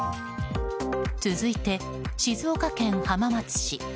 続いて、静岡県浜松市。